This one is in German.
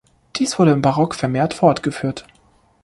Dies wurde im Barock vermehrt fortgeführt.